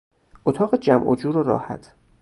اتاق جمع و جور و راحت